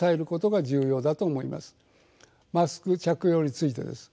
マスク着用についてです。